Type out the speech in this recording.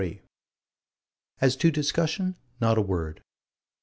As to discussion not a word.